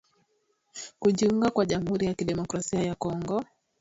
kujiunga kwa jamhuri ya kidemokrasia ya Kongo kama mwanachama wa jumuia ya Afrika Mashariki